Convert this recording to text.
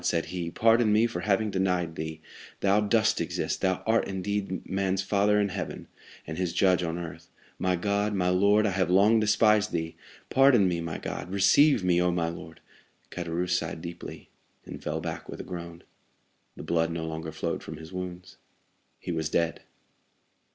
said he, "pardon me for having denied thee; thou dost exist, thou art indeed man's father in heaven, and his judge on earth. My God, my Lord, I have long despised thee! Pardon me, my God; receive me, Oh, my Lord!" Caderousse sighed deeply, and fell back with a groan. The blood no longer flowed from his wounds. He was dead.